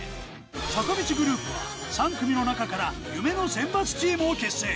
坂道グループは、３組の中から夢の選抜チームを結成。